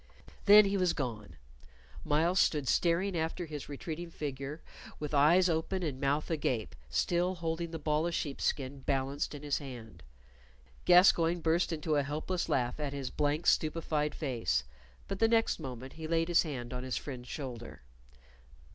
Then he was gone. Myles stood staring after his retreating figure with eyes open and mouth agape, still holding the ball of sheepskin balanced in his hand. Gascoyne burst into a helpless laugh at his blank, stupefied face, but the next moment he laid his hand on his friend's shoulder.